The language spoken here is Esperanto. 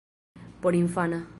porinfana